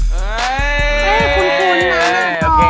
เฮ้ยนาทอง